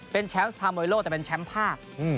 เป็นแชมป์สภามวยโลกแต่เป็นแชมป์ภาค